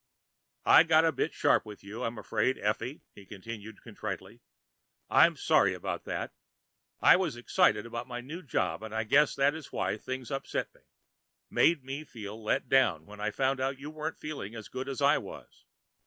"I got a bit sharp with you, I'm afraid, Effie," he continued contritely. "I'm sorry about that. I was excited about my new job and I guess that was why things upset me. Made me feel let down when I found you weren't feeling as good as I was.